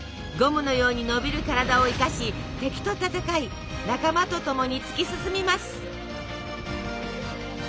ゴムのように伸びる体を生かし敵と戦い仲間と共に突き進みます！